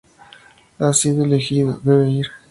Ha sido elegido. Debe ir.